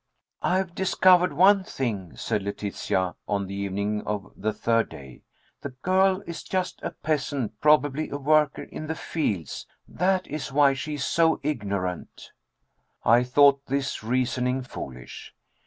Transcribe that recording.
"I've discovered one thing," said Letitia on the evening of the third day. "The girl is just a peasant, probably a worker in the fields. That is why she is so ignorant." I thought this reasoning foolish.